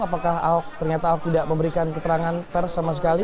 apakah ahok ternyata ahok tidak memberikan keterangan pers sama sekali